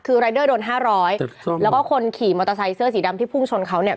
คือรายเดอร์โดน๕๐๐แล้วก็คนขี่มอเตอร์ไซเซอร์สีดำที่พุ่งชนเขาเนี่ย